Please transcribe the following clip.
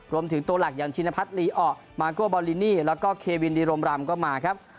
รวมถึงตัวหลักยันชินพัฒน์ลีอ่อมาโก้บาวลินี่แล้วก็เควินดิรมรัมก็มาครับ